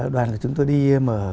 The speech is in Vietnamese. đoàn của chúng tôi đi mở